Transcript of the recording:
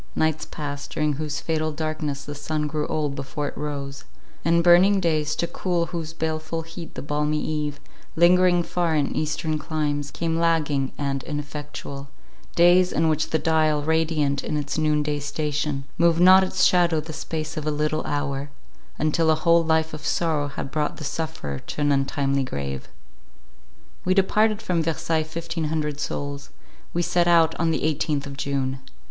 Nights passed, during whose fatal darkness the sun grew old before it rose; and burning days, to cool whose baleful heat the balmy eve, lingering far in eastern climes, came lagging and ineffectual; days, in which the dial, radiant in its noon day station, moved not its shadow the space of a little hour, until a whole life of sorrow had brought the sufferer to an untimely grave. We departed from Versailles fifteen hundred souls. We set out on the eighteenth of June.